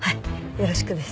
よろしくです。